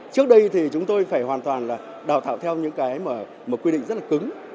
trước đây thì chúng tôi phải hoàn toàn là đào tạo theo những cái mà quy định rất là cứng